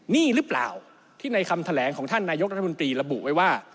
นี่หรือเปล่าที่ในคำแถลงของท่านนายกรัฐมนตรีระบุไว้ว่า